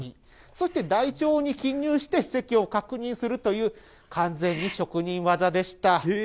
そして台帳に記入して、席を確認するという、完全に職人技でした。